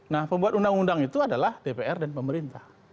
nah pembuat undang undang itu adalah dpr dan pemerintah